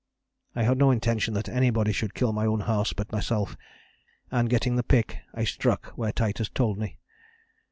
I had no intention that anybody should kill my own horse but myself, and getting the pick I struck where Titus told me.